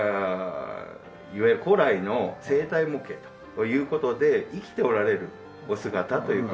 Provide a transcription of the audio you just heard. いわゆる古来の生体模型という事で生きておられるお姿という事ですね。